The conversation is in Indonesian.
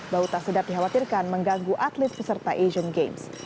bau tak sedap dikhawatirkan mengganggu atlet peserta asian games